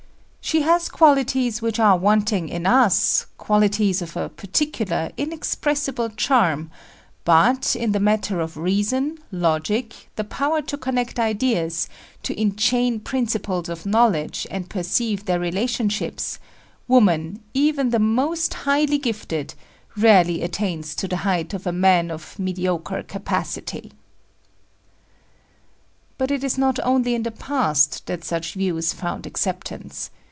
She has qualities which are wanting in us, qualities of a particular, inexpressible charm; but, in the matter of reason, logic, the power to connect ideas, to enchain principles of knowledge and perceive their relationships, woman, even the most highly gifted, rarely attains to the height of a man of mediocre capacity." But it is not only in the past that such views found acceptance.